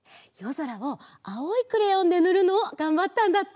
ぞらをあおいクレヨンでぬるのをがんばったんだって。